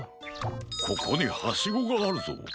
ここにハシゴがあるぞ。